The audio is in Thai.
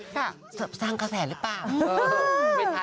กะสร้างแขวนแหละป่ะ